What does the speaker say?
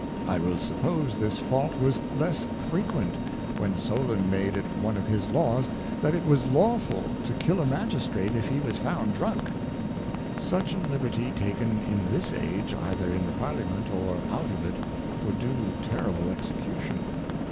I will suppose this fault was less frequent when Solon made it one of his Laws, That it was Lawful to Kill a Magistrate if he was found Drunk. Such a Liberty taken in this Age, either in the Parliament or out of it, would do terrible Execution.